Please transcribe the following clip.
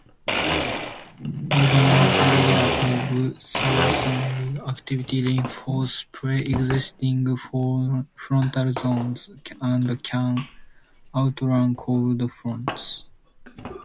Organized areas of thunderstorm activity reinforce pre-existing frontal zones, and can outrun cold fronts.